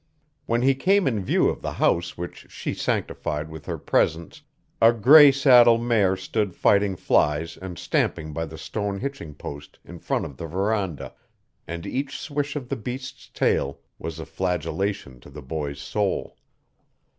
When he came in view of the house which she sanctified with her presence, a gray saddle mare stood fighting flies and stamping by the stone hitching post in front of the verandah, and each swish of the beast's tail was a flagellation to the boy's soul.